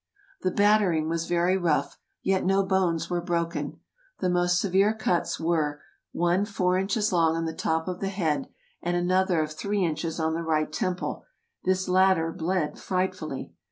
The battering was very rough, yet no bones were broken. The most severe cuts were, one four inches long on the top of the head, and another of three inches on the right temple; this latter bled frightfully.